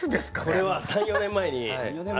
これは３４年前に。